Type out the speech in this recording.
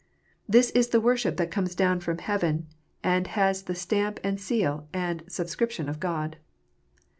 This is the worship that comes down from heaven, and has the stamp and seal and superscription of God.